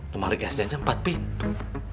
kemarin sd nya empat pintu